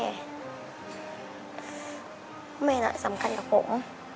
เพราะแม่น่ะสำคัญกับผม